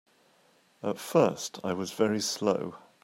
At first I was very slow.